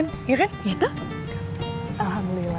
alhamdulillah kita doakan saja yang baik baik untuk